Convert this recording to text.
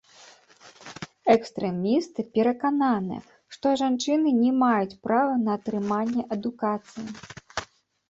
Экстрэмісты перакананыя, што жанчыны не маюць права на атрыманне адукацыі.